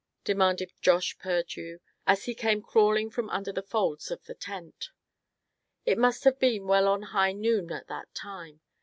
demanded Josh Purdue, as he came crawling from under the folds of the tent. It must have been well on to high noon at the time.